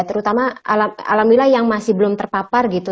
terutama alhamdulillah yang masih belum terpapar gitu